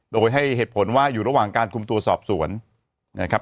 โดยให้เหตุผลว่าอยู่ระหว่างการคุมตัวสอบสวนนะครับ